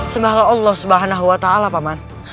sembahlah allah subhanahu wa ta'ala pak man